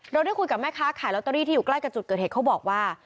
ได้คุยกับแม่ค้าขายลอตเตอรี่ที่อยู่ใกล้กับจุดเกิดเหตุเขาบอกว่า